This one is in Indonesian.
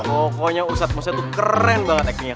pokoknya ustadz ustadz tuh keren banget actingnya